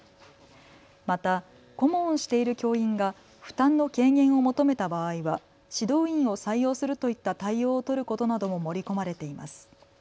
また顧問をしている教員が負担の軽減を求めた場合は指導員を採用するといった対応を取ることなども盛り込まれています。